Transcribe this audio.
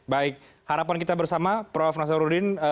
baik harapan kita bersama prof nasaruddin